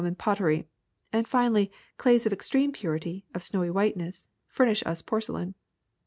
mon pottery ; and, finally, clays of extreme purity, of snowy whiteness, furnish us porcelain.